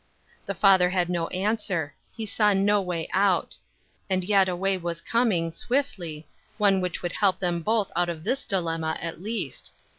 The father had no answer ; he saw no way out. And yet a way was coming, swiftly — one which would help them both out of this dilemma, at least.